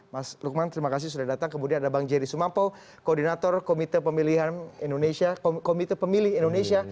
mas lukman terima kasih sudah datang kemudian ada bang jerry sumampo koordinator komite pemilih indonesia